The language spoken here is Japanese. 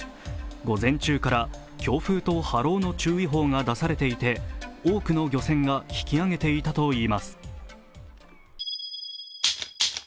午前中から強風と波浪の注意報が出されていて、多くの漁船が引き揚げていたといいます。